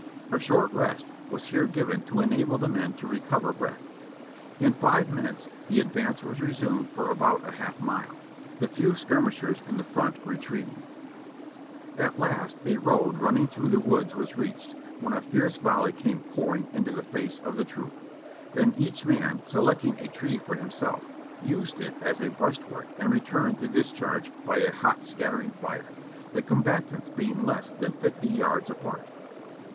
A short rest was here given to enable the men to recover breath. In five minutes the advance was resumed for about a half mile, the few skirmishers in the front retreating. At last a road THE BATTJLi: OF THE WILDERNESS 539 running through the woods was reached, when a fierce volley came pouring into the face of the troop. Then each man, select ing a tree for himself, used it as a breastwork and returned the discharge by a hot scattering fire, the combatants being less than fifty yards apart.